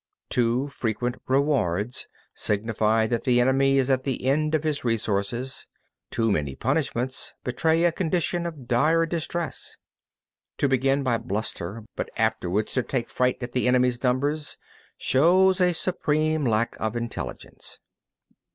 36. Too frequent rewards signify that the enemy is at the end of his resources; too many punishments betray a condition of dire distress. 37. To begin by bluster, but afterwards to take fright at the enemy's numbers, shows a supreme lack of intelligence.